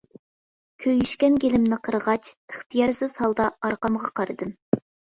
كۈيۈشكەن گېلىمنى قىرغاچ، ئىختىيارسىز ھالدا ئارقامغا قارىدىم.